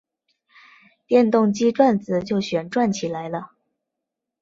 电动机转子就旋转起来了。